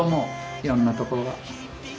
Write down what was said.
いろんなところが。